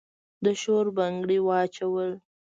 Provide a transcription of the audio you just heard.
د شور بنګړي واچول